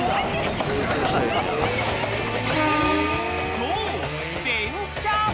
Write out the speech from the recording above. ［そう］